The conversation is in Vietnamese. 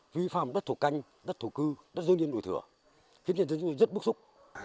vi phạm đất thủ canh đất thủ cư đất dương nhiên nổi thửa khiến dân chúng tôi rất bức xúc